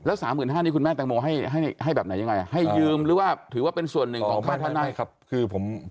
แล้วสามหมื่นห้านี้คุณแม่ตังโมให้แบบไหนยังไงให้ยืมหรือว่าถือว่าเป็นส่วนหนึ่งของค่าท่านได้